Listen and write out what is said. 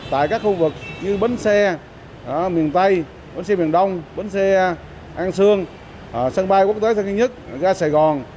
tại các khu vực như bến xe miền tây bến xe miền đông bến xe an sương sân bay quốc tế tân duy nhất ga sài gòn